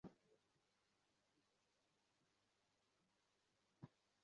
তার আগে জানা দরকার তুমি কি বিবাহিত?